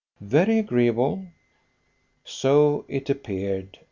"Very agreeable." So it appeared.